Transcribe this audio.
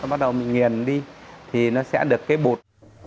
bắt đầu mình nghiền đi thì nó sẽ được cái bột